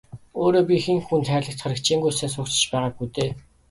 Өөрөө би хэн хүнд хайрлагдахаар хичээнгүй сайн сурагч ч байгаагүй дээ.